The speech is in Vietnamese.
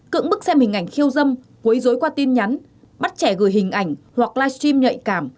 cững bức xem hình ảnh khiêu dâm quấy dối qua tin nhắn bắt trẻ gửi hình ảnh hoặc live stream nhạy cảm